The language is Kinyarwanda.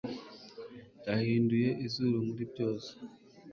Yahinduye izuru muri byose.